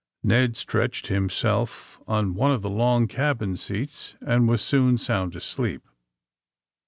Ned stretched himself on one of the long cabin seats and was soon sound asleep.